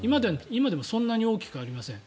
今でもそんなに大きく変わりません。